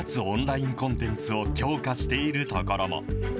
オンラインコンテンツを強化しているところも。